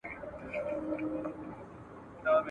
زه د محتسب په غلیمانو کي ښاغلی یم ..